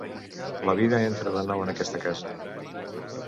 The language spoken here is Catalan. La vida entra de nou en aquesta casa.